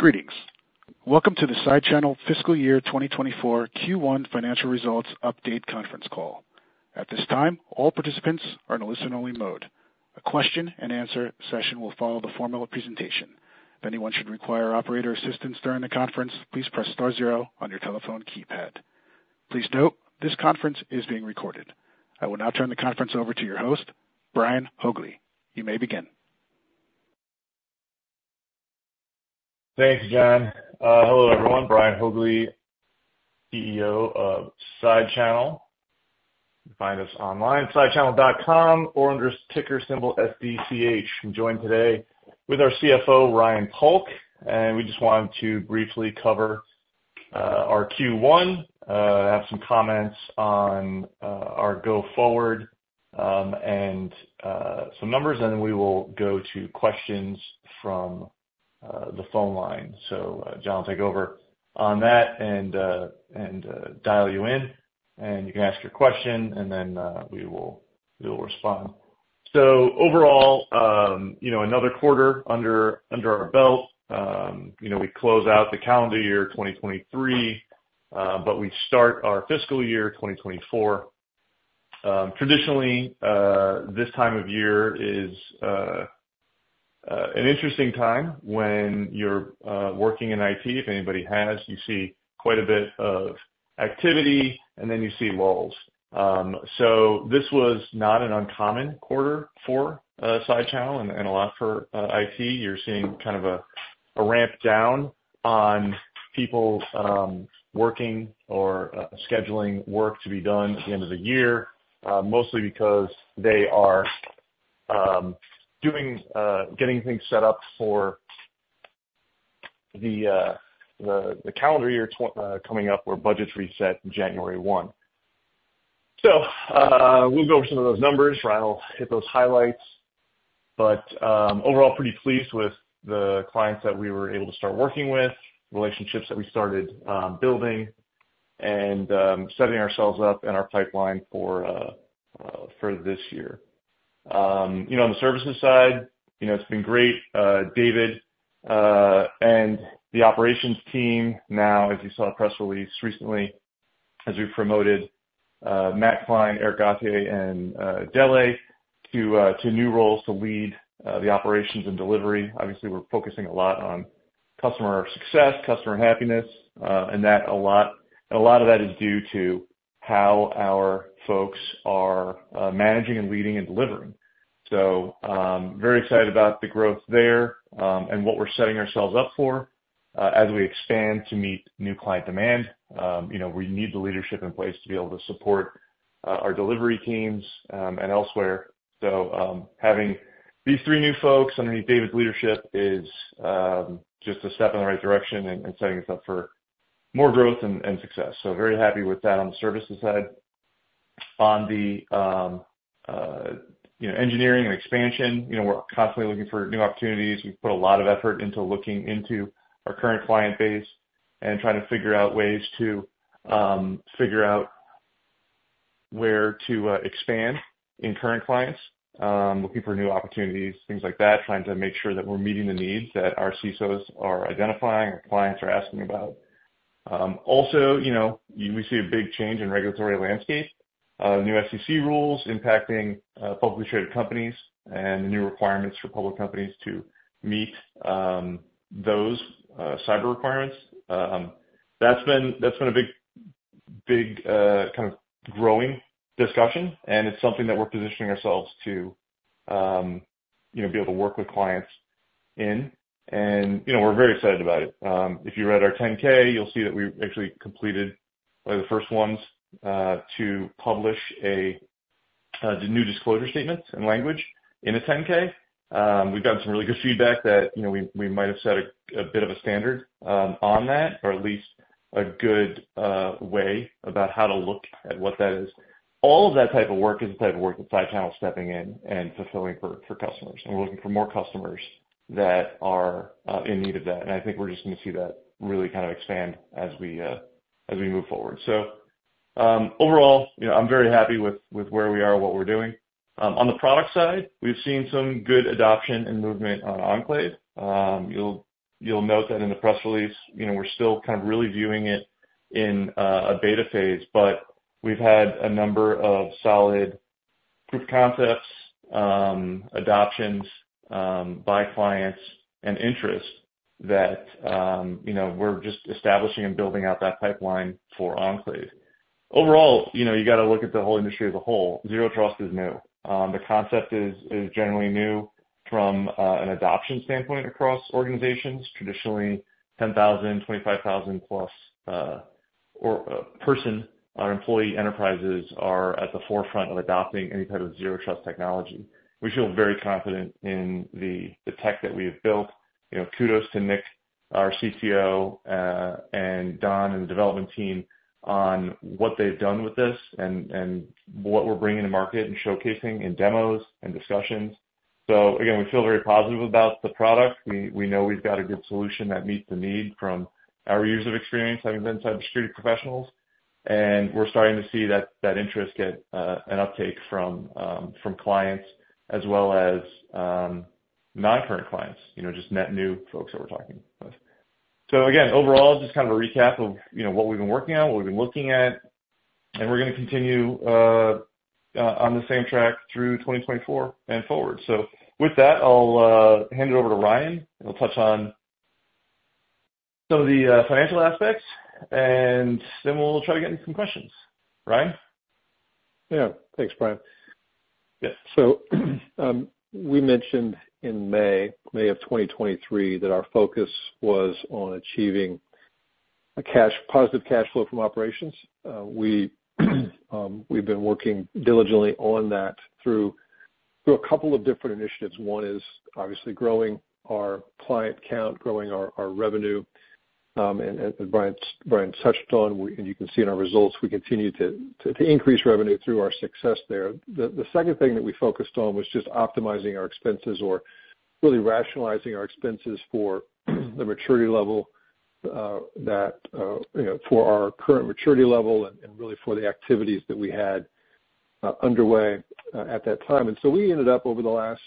Greetings! Welcome to the SideChannel fiscal year 2024 Q1 financial results update conference call. At this time, all participants are in a listen-only mode. A question and answer session will follow the formal presentation. If anyone should require operator assistance during the conference, please press star zero on your telephone keypad. Please note, this conference is being recorded. I will now turn the conference over to your host, Brian Haugli. You may begin. Thanks, John. Hello, everyone. Brian Haugli, CEO of SideChannel. You can find us online, SideChannel.com, or under ticker symbol SDCH. I'm joined today with our CFO, Ryan Polk, and we just wanted to briefly cover our Q1, have some comments on our go forward, and some numbers, and then we will go to questions from the phone line. So, John will take over on that, and dial you in, and you can ask your question, and then we will respond. So overall, you know, another quarter under our belt. You know, we close out the calendar year 2023, but we start our fiscal year 2024. Traditionally, this time of year is an interesting time when you're working in IT. If anybody has, you see quite a bit of activity, and then you see lulls. So this was not an uncommon quarter for SideChannel and a lot for IT. You're seeing kind of a ramp down on people working or scheduling work to be done at the end of the year, mostly because they are doing getting things set up for the calendar year coming up, where budgets reset January 1. So we'll go over some of those numbers. Ryan will hit those highlights but, overall, pretty pleased with the clients that we were able to start working with, relationships that we started building and setting ourselves up and our pipeline for this year. You know, on the services side, you know, it's been great. David and the operations team, now, as you saw in a press release recently, as we've promoted Matt Klein, Eric Gauthier, and Dele to new roles to lead the operations and delivery. Obviously, we're focusing a lot on customer success, customer happiness, and a lot of that is due to how our folks are managing and leading and delivering. So, very excited about the growth there and what we're setting ourselves up for as we expand to meet new client demand. You know, we need the leadership in place to be able to support our delivery teams and elsewhere. So, having these three new folks underneath David's leadership is just a step in the right direction and setting us up for more growth and success. So very happy with that on the services side. On the, you know, engineering and expansion, you know, we're constantly looking for new opportunities. We've put a lot of effort into looking into our current client base and trying to figure out ways to figure out where to expand in current clients, looking for new opportunities, things like that, trying to make sure that we're meeting the needs that our CISOs are identifying, our clients are asking about. Also, you know, we see a big change in regulatory landscape, new SEC rules impacting publicly traded companies and the new requirements for public companies to meet those cyber requirements. That's been, that's been a big, big kind of growing discussion, and it's something that we're positioning ourselves to, you know, be able to work with clients in, and, you know, we're very excited about it. If you read our 10-K, you'll see that we actually completed one of the first ones to publish the new disclosure statements and language in a 10-K. We've gotten some really good feedback that, you know, we, we might have set a bit of a standard on that, or at least a good way about how to look at what that is. All of that type of work is the type of work that SideChannel stepping in and fulfilling for, for customers, and we're looking for more customers that are, in need of that. And I think we're just gonna see that really kind of expand as we, as we move forward. So, overall, you know, I'm very happy with, with where we are and what we're doing. On the product side, we've seen some good adoption and movement on Enclave. You'll, you'll note that in the press release, you know, we're still kind of really viewing it in, a beta phase, but we've had a number of solid proof concepts, adoptions, by clients and interest that, you know, we're just establishing and building out that pipeline for Enclave. Overall, you know, you gotta look at the whole industry as a whole. Zero Trust is new. The concept is generally new from an adoption standpoint across organizations. Traditionally, 10,000, 25,000+ employee enterprises are at the forefront of adopting any type of Zero Trust technology. We feel very confident in the tech that we have built. You know, kudos to Nick, our CTO, and Don and the development team on what they've done with this and what we're bringing to market and showcasing in demos and discussions. So again, we feel very positive about the product. We know we've got a good solution that meets the need from our years of experience, having been cybersecurity professionals. We're starting to see that, that interest get an uptake from from clients as well as non-current clients, you know, just net new folks that we're talking with. So again, overall, just kind of a recap of, you know, what we've been working on, what we've been looking at, and we're gonna continue on the same track through 2024 and forward. So with that, I'll hand it over to Ryan, and he'll touch on some of the financial aspects, and then we'll try to get into some questions. Ryan? Yeah. Thanks, Brian. Yeah, so, we mentioned in May of 2023, that our focus was on achieving a cash-positive cash flow from operations. We've been working diligently on that through a couple of different initiatives. One is obviously growing our client count, growing our revenue, and Brian touched on, and you can see in our results, we continue to increase revenue through our success there. The second thing that we focused on was just optimizing our expenses or really rationalizing our expenses for the maturity level, you know, for our current maturity level and really for the activities that we had underway at that time. We ended up over the last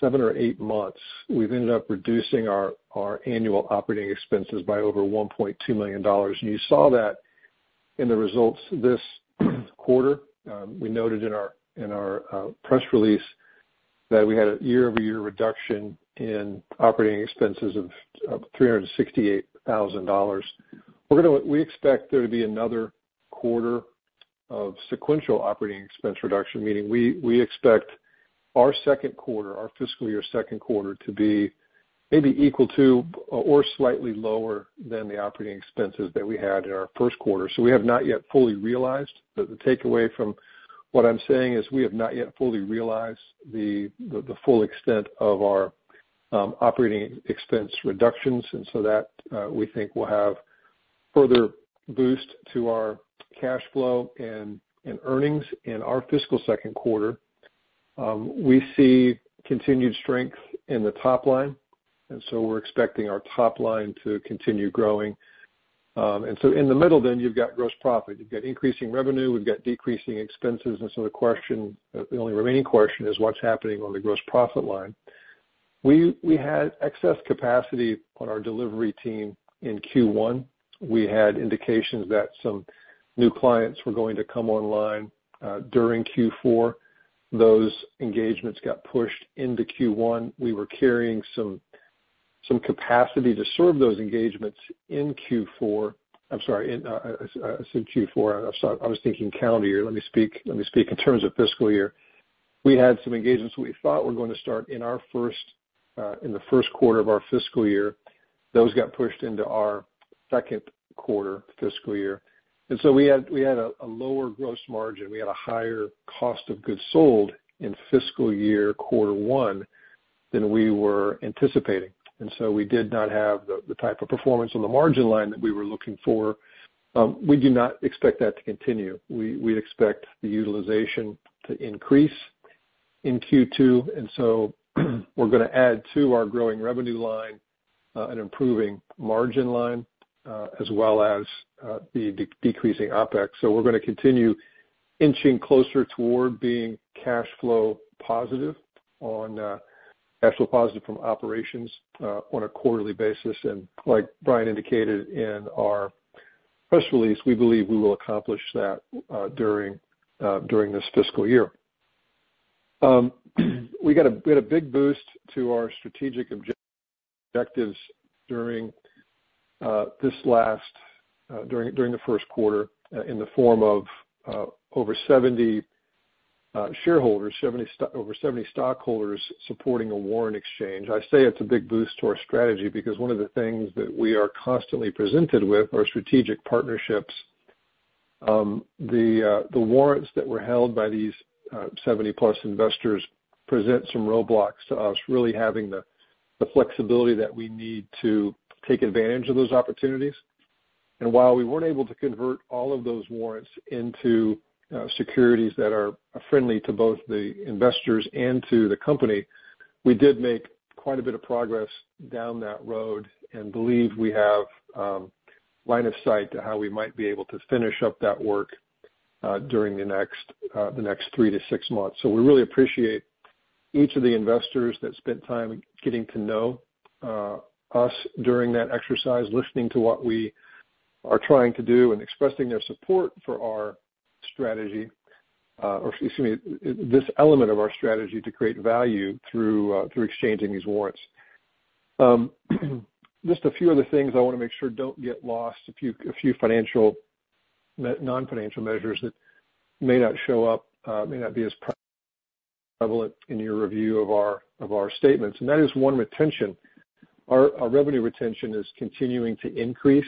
seven or eight months, we've ended up reducing our annual operating expenses by over $1.2 million. You saw that in the results this quarter. We noted in our press release that we had a year-over-year reduction in operating expenses of $368,000. We expect there to be another quarter of sequential operating expense reduction, meaning we expect our second quarter, our fiscal year second quarter, to be maybe equal to or slightly lower than the operating expenses that we had in our first quarter. So we have not yet fully realized, but the takeaway from what I'm saying is we have not yet fully realized the full extent of our operating expense reductions, and so that we think will have further boost to our cash flow and earnings in our fiscal second quarter. We see continued strength in the top line, and so we're expecting our top line to continue growing. And so in the middle then, you've got gross profit, you've got increasing revenue, we've got decreasing expenses, and so the question, the only remaining question is what's happening on the gross profit line? We had excess capacity on our delivery team in Q1. We had indications that some new clients were going to come online during Q4. Those engagements got pushed into Q1. We were carrying some capacity to serve those engagements in Q4. I'm sorry, in, I said Q4, I was thinking calendar year. Let me speak in terms of fiscal year. We had some engagements we thought were going to start in our first in the first quarter of our fiscal year. Those got pushed into our second quarter fiscal year. And so we had a lower gross margin. We had a higher cost of goods sold in fiscal year quarter one than we were anticipating, and so we did not have the type of performance on the margin line that we were looking for. We do not expect that to continue. We expect the utilization to increase in Q2, and so we're gonna add to our growing revenue line, an improving margin line, as well as the decreasing OpEx. So we're gonna continue inching closer toward being cash flow positive, cash flow positive from operations, on a quarterly basis. And like Brian indicated in our press release, we believe we will accomplish that during this fiscal year. We had a big boost to our strategic objectives during this last during the first quarter, in the form of over 70 shareholders, over 70 stockholders supporting a warrant exchange. I say it's a big boost to our strategy because one of the things that we are constantly presented with are strategic partnerships. The warrants that were held by these 70+ investors present some roadblocks to us, really having the flexibility that we need to take advantage of those opportunities. And while we weren't able to convert all of those warrants into securities that are friendly to both the investors and to the company, we did make quite a bit of progress down that road and believe we have line of sight to how we might be able to finish up that work during the next 3-6 months. So we really appreciate each of the investors that spent time getting to know us during that exercise, listening to what we are trying to do, and expressing their support for our strategy, or excuse me, this element of our strategy to create value through exchanging these warrants. Just a few other things I wanna make sure don't get lost, a few non-financial measures that may not show up, may not be as prevalent in your review of our statements, and that is one, retention. Our revenue retention is continuing to increase.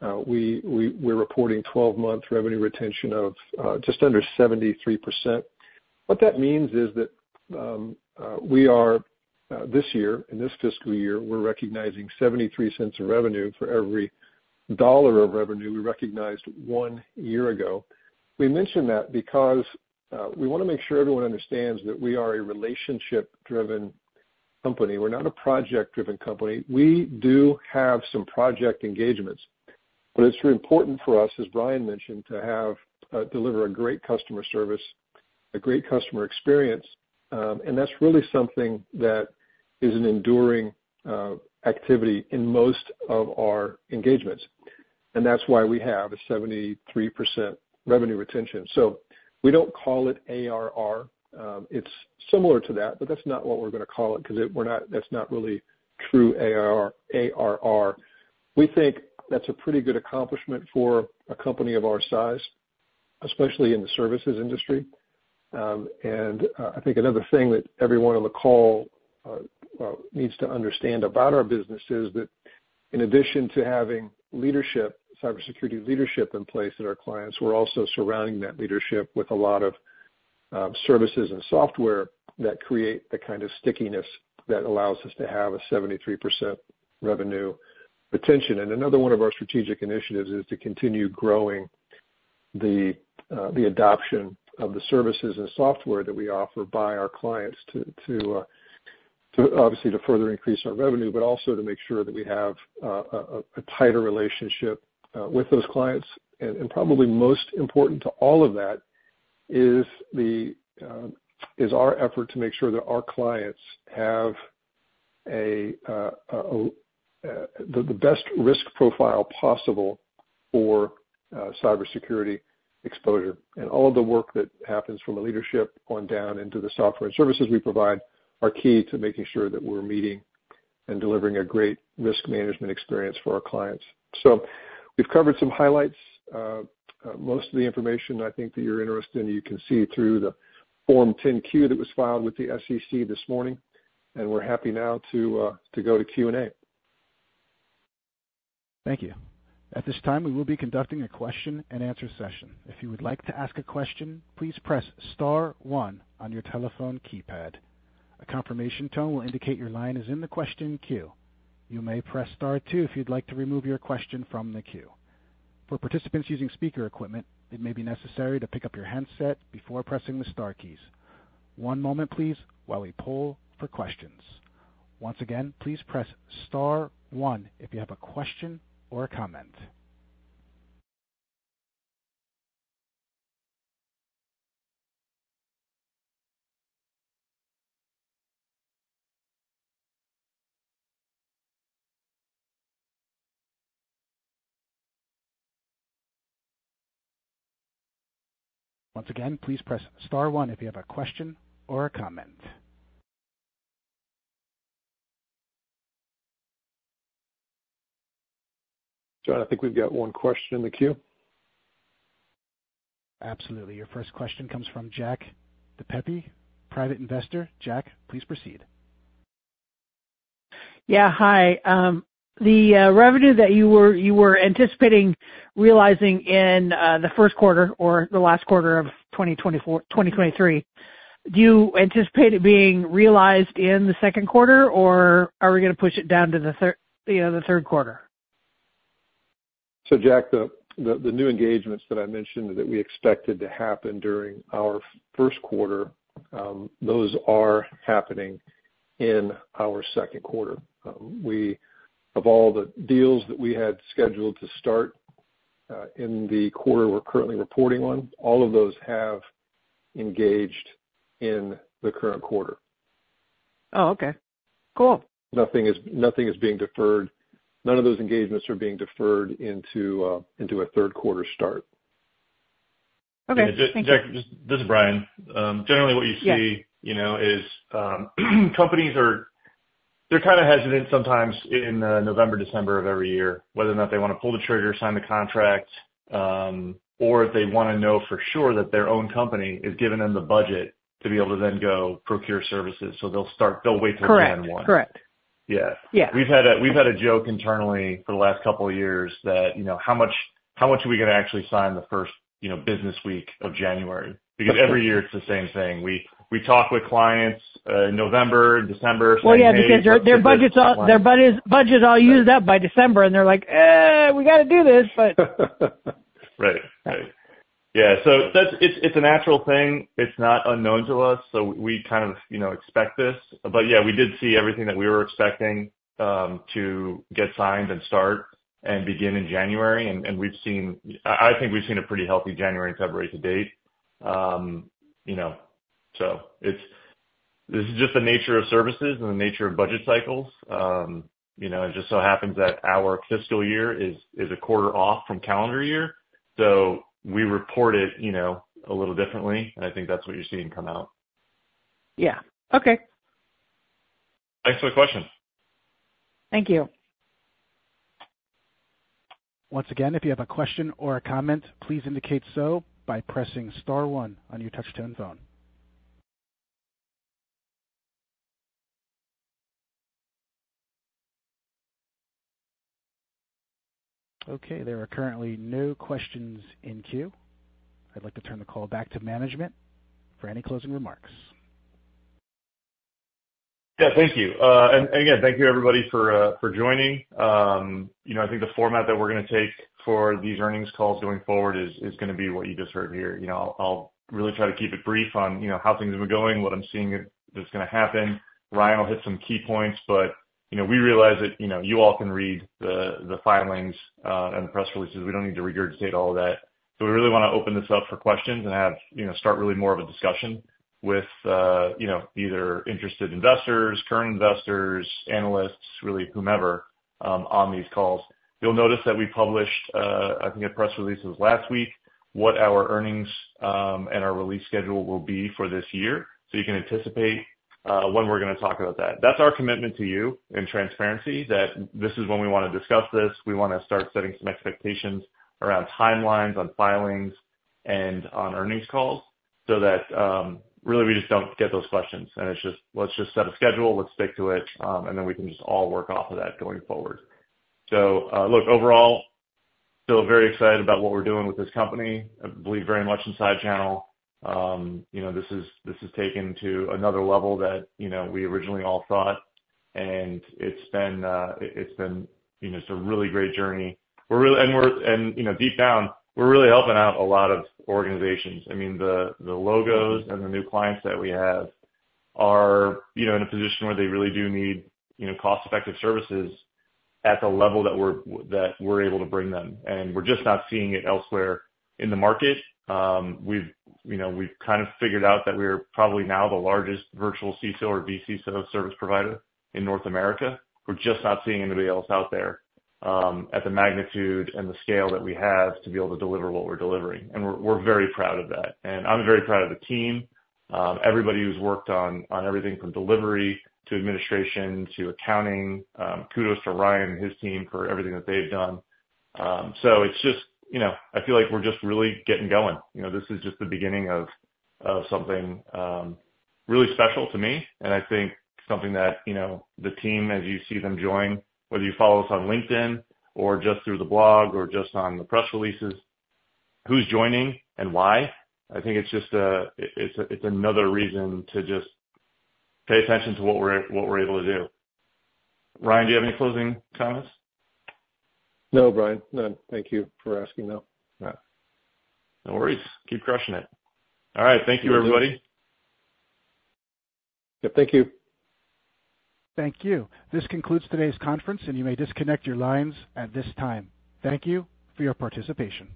We're reporting 12-month revenue retention of just under 73%. What that means is that we are this year, in this fiscal year, we're recognizing $0.73 of revenue for every $1 of revenue we recognized one year ago. We mention that because we wanna make sure everyone understands that we are a relationship-driven company. We're not a project-driven company. We do have some project engagements, but it's very important for us, as Brian mentioned, to deliver a great customer service, a great customer experience. And that's really something that is an enduring activity in most of our engagements, and that's why we have a 73% revenue retention. So we don't call it ARR. It's similar to that, but that's not what we're gonna call it, 'cause that's not really true ARR. We think that's a pretty good accomplishment for a company of our size, especially in the services industry. And I think another thing that everyone on the call well needs to understand about our business is that in addition to having leadership, cybersecurity leadership in place at our clients, we're also surrounding that leadership with a lot of services and software that create the kind of stickiness that allows us to have a 73% revenue retention. And another one of our strategic initiatives is to continue growing the adoption of the services and software that we offer by our clients to obviously to further increase our revenue, but also to make sure that we have a tighter relationship with those clients. And probably most important to all of that is our effort to make sure that our clients have the best risk profile possible for cybersecurity exposure. And all of the work that happens from a leadership on down into the software and services we provide are key to making sure that we're meeting and delivering a great risk management experience for our clients. So we've covered some highlights. Most of the information I think that you're interested in, you can see through the Form 10-Q that was filed with the SEC this morning, and we're happy now to go to Q&A. Thank you. At this time, we will be conducting a question-and-answer session. If you would like to ask a question, please press star one on your telephone keypad. A confirmation tone will indicate your line is in the question queue. You may press star two if you'd like to remove your question from the queue. For participants using speaker equipment, it may be necessary to pick up your handset before pressing the star keys. One moment, please, while we poll for questions. Once again, please press star one if you have a question or a comment. Once again, please press star one if you have a question or a comment. John, I think we've got one question in the queue. Absolutely. Your first question comes from Jack DePeppe, private investor. Jack, please proceed. Yeah. Hi. The revenue that you were anticipating realizing in the first quarter or the last quarter of 2024... 2023, do you anticipate it being realized in the second quarter, or are we gonna push it down to the third, you know, the third quarter? So, Jack, the new engagements that I mentioned that we expected to happen during our first quarter, those are happening in our second quarter. Of all the deals that we had scheduled to start in the quarter we're currently reporting on, all of those have engaged in the current quarter. Oh, okay. Cool. Nothing is, nothing is being deferred. None of those engagements are being deferred into, into a third quarter start. Okay. Thank you. Jack, this is Brian. Generally what you see- Yeah. You know, companies are... They're kind of hesitant sometimes in November, December of every year, whether or not they want to pull the trigger, sign the contract, or if they wanna know for sure that their own company has given them the budget to be able to then go procure services. So they'll start, they'll wait till January. Correct. Correct. Yeah. Yeah. We've had a joke internally for the last couple of years that, you know, how much are we gonna actually sign the first, you know, business week of January? Okay. Because every year it's the same thing. We, we talk with clients, November, December, sign- Well, yeah, because their budgets all used up by December, and they're like, "Eh, we gotta do this, but... Right. Right. Yeah, so that's... It's, it's a natural thing. It's not unknown to us, so we kind of, you know, expect this. But yeah, we did see everything that we were expecting to get signed and start and begin in January. And, and we've seen... I, I think we've seen a pretty healthy January and February to date. You know, so it's—this is just the nature of services and the nature of budget cycles. You know, it just so happens that our fiscal year is, is a quarter off from calendar year, so we report it, you know, a little differently, and I think that's what you're seeing come out. Yeah. Okay. Thanks for the question. Thank you. Once again, if you have a question or a comment, please indicate so by pressing star one on your touchtone phone. Okay, there are currently no questions in queue. I'd like to turn the call back to management for any closing remarks.... Yeah, thank you. And again, thank you everybody for for joining. You know, I think the format that we're gonna take for these earnings calls going forward is, is gonna be what you just heard here. You know, I'll, I'll really try to keep it brief on, you know, how things have been going, what I'm seeing that's gonna happen. Ryan will hit some key points, but, you know, we realize that, you know, you all can read the, the filings, and the press releases. We don't need to regurgitate all of that. So we really wanna open this up for questions and have, you know, start really more of a discussion with, you know, either interested investors, current investors, analysts, really whomever, on these calls. You'll notice that we published, I think a press release was last week, what our earnings, and our release schedule will be for this year, so you can anticipate, when we're gonna talk about that. That's our commitment to you in transparency, that this is when we wanna discuss this. We wanna start setting some expectations around timelines, on filings, and on earnings calls, so that, really we just don't get those questions. And it's just, let's just set a schedule, let's stick to it, and then we can just all work off of that going forward. So, look, overall, still very excited about what we're doing with this company. I believe very much in SideChannel. You know, this is, this has taken to another level that, you know, we originally all thought, and it's been, it's been, you know, just a really great journey. And we're, and, you know, deep down, we're really helping out a lot of organizations. I mean, the logos and the new clients that we have are, you know, in a position where they really do need, you know, cost-effective services at the level that we're able to bring them, and we're just not seeing it elsewhere in the market. We've, you know, we've kind of figured out that we're probably now the largest virtual CISO or vCISO service provider in North America. We're just not seeing anybody else out there at the magnitude and the scale that we have, to be able to deliver what we're delivering. And we're very proud of that. And I'm very proud of the team. Everybody who's worked on everything from delivery to administration to accounting, kudos to Ryan and his team for everything that they've done. So it's just, you know, I feel like we're just really getting going. You know, this is just the beginning of something really special to me, and I think something that, you know, the team, as you see them join, whether you follow us on LinkedIn or just through the blog or just on the press releases, who's joining and why, I think it's just another reason to just pay attention to what we're able to do. Ryan, do you have any closing comments? No, Brian, none. Thank you for asking, though. Yeah. No worries. Keep crushing it. All right. Thank you, everybody. Yep, thank you. Thank you. This concludes today's conference, and you may disconnect your lines at this time. Thank you for your participation.